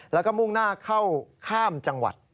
แล้วก็มุ่งหน้าเข้าข้ามจังหวัด